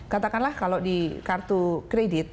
katakanlah kalau di kartu kredit